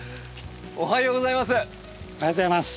おはようございます。